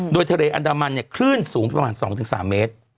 โดยทะเลอันดามันเนี่ยคลื่นสูงประมาณ๒๓เมตร